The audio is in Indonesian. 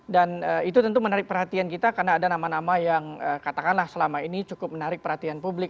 dan itu tentu menarik perhatian kita karena ada nama nama yang katakanlah selama ini cukup menarik perhatian publik